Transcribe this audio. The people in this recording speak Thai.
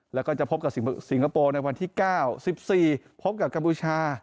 แล้วก็จะพบกับสิงคโปร์ในวันที่๙๑๔พบกับกัมพูชา